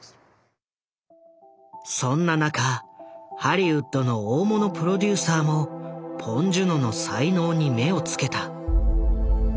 そんな中ハリウッドの大物プロデューサーもポン・ジュノの才能に目をつけた。